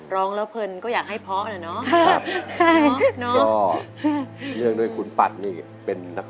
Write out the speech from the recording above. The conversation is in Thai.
ร้องแล้วเพลินก็อยากให้เพาะแหละเนาะ